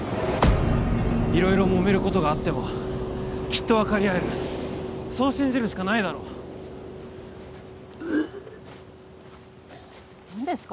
色々もめることがあってもきっと分かり合えるそう信じるしかないだろ何ですか？